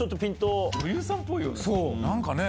女優さんっぽいよね。